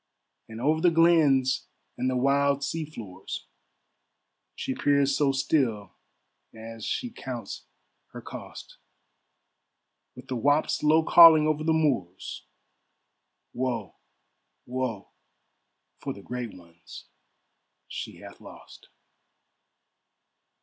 And over the glens and the wild sea floors She peers so still as she counts her cost, With the whaups low calling over the moors, "Woe, woe, for the great ones she hath lost."